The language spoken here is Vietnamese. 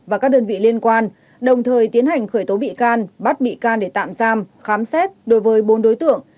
và các đơn vị liên quan đồng thời tiến hành khởi tố bị can bắt bị can để tạm giam khám xét đối với bốn đối tượng